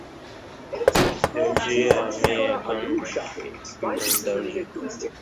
Georgia, আমি এখন একজন দর্জি।